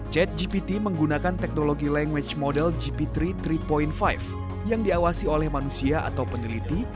chat gpt menggunakan teknologi language model gp tiga ratus tiga lima yang diawasi oleh manusia atau peneliti